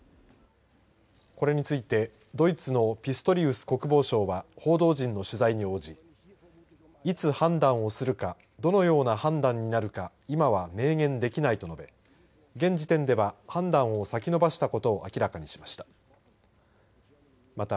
これについてドイツのピストリウス国防相は報道陣の取材に応じいつ判断をするかどのような判断になるか今は明言できないと述べ現時点では判断を先延ばしたことを明らかにしました。